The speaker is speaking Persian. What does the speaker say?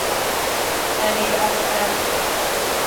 امیراسعد